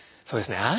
そうですね